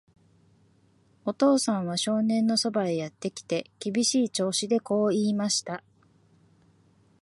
お父さんは少年のそばへやってきて、厳しい調子でこう言いました。